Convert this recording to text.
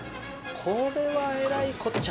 これはえらいこっちゃ！